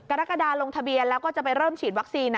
กรกฎาลงทะเบียนแล้วก็จะไปเริ่มฉีดวัคซีน